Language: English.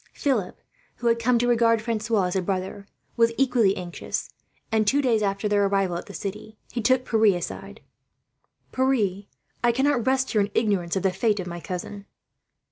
Philip, who had come to regard Francois as a brother, was equally anxious and, two days after his arrival at the city, he took Pierre aside. "Pierre," he said, "I cannot rest here in ignorance of the fate of my cousin."